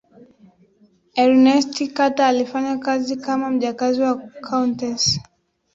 ernest carter alifanya kazi kama mjakazi wa countess